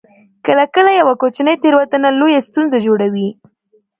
کله کله یوه کوچنۍ تیروتنه لویه ستونزه جوړوي